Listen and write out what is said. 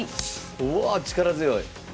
うわあ力強い！